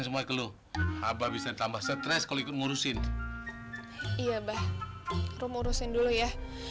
semua ke lu abah bisa tambah stres kalau ikut ngurusin iya bah rumur usin dulu ya